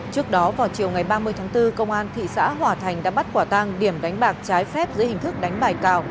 trước đó vào chiều ngày ba mươi tháng bốn công an thị xã hòa thành đã bắt quả tang điểm đánh bạc trái phép dưới hình thức đánh bài cào